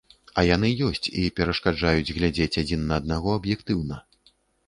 А яны ёсць, і перашкаджаюць глядзець адзін на аднаго аб'ектыўна.